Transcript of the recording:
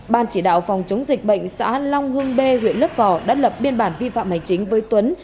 ban chỉ đạo phòng chống dịch bệnh xã long hưng bê huyện lấp vò đã lập biên bản vi phạm hành chính với tuấn